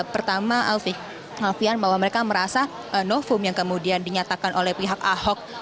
pertama alfian bahwa mereka merasa novum yang kemudian dinyatakan oleh pihak ahok